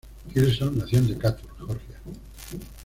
Hilson nació en Decatur, Georgia.